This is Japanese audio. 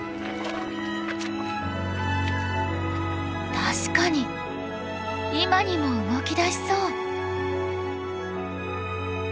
確かに今にも動き出しそう！